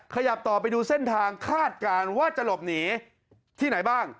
ขยับต่อไปดูเส้นทางคาดการณ์ว่าจะหลบหนีที่ไหนบ้าง